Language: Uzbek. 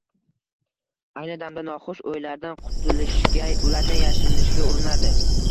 Ayni damda noxush oʻylardan qutilishga, ulardan yashirinishga urinardi.